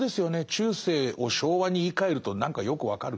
中世を昭和に言いかえると何かよく分かる。